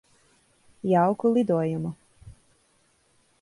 Jauku lidojumu.